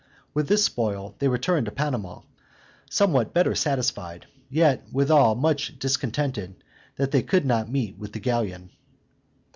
With this spoil they returned to Panama, somewhat better satisfied; yet, withal, much discontented that they could not meet with the galleon.